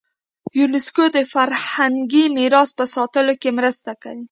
یونسکو د فرهنګي میراث په ساتلو کې مرسته کوي.